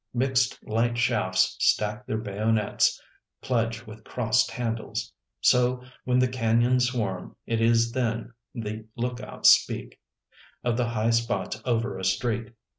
Mixed light shafts stack their bayonets, pledge with crossed handles. So, when the canyons swarm, it is then the lookouts speak Of the high spots over a street